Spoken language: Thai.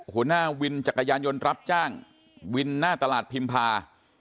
หัวหน้าวินจักรยานยนต์รับจ้างวินหน้าตลาดพิมพา